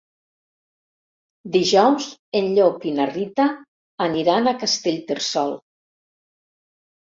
Dijous en Llop i na Rita aniran a Castellterçol.